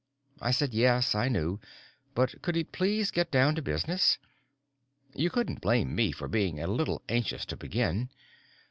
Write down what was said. I said yes, I knew, but could he please get down to business. You couldn't blame me for being a bit anxious to begin.